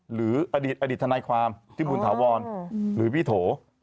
หรืออดีตทนายความพี่บุญถาวรหรือพี่โถ